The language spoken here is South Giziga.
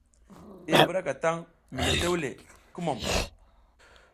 I mbuɗatan mi le tewle, kumum !